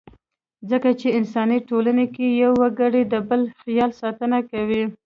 ځکه چې انساني ټولنه کې يو وګړی د بل خیال ساتنه کوي.